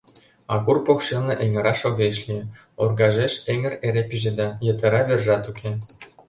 Агур покшелне эҥыраш огеш лий, оргажеш эҥыр эре пижеда, йытыра вержат уке.